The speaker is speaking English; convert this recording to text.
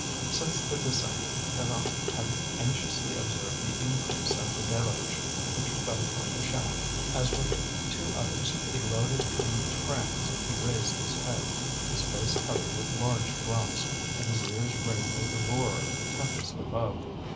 Since the descent Pierron had anxiously observed the increase of the deluge which fell from the shaft. As with two others he loaded the trams he raised his head, his face covered with large drops, and his ears ringing with the roar of the tempest above.